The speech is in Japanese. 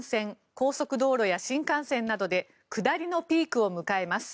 高速道路や新幹線などで下りのピークを迎えます。